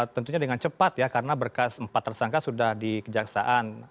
tentunya dengan cepat ya karena berkas empat tersangka sudah di kejaksaan